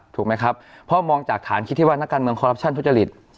เพราะมองจากฐานคิดที่ว่านักการเมืองคอรัปชั่นทุจริต